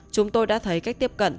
chúng tôi đã thấy cách tiếp cận